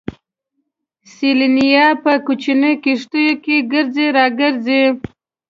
سيلانيان په کوچنيو کښتيو کې ګرځي را ګرځي.